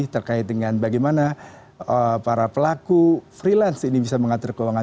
terkait dengan bagaimana para pelaku freelance ini bisa mengatur keuangan